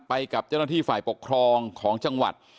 ไปกับเจ้าหน้าที่ฝ่ายปกครองของจังหวัด